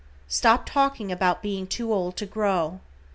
Stop talking about being too old to grow.